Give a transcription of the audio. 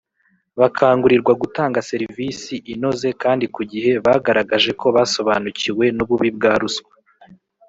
bakangurirwa gutanga serivisi inoze kandi ku gihe Bagaragaje ko basobanukiwe nububi bwa ruswa